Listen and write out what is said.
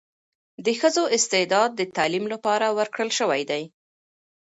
د ښځو استعداد د تعلیم لپاره ورکړل شوی دی.